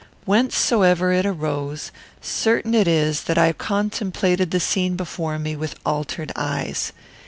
Whencesoever it arose, certain it is that I contemplated the scene before me with altered eyes.